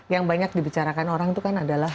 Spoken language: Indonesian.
yang banyak dibicarakan orang itu kan adalah